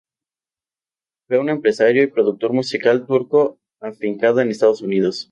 Fue un empresario y productor musical turco afincado en Estados Unidos.